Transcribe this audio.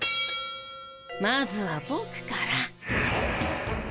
まずはボクから。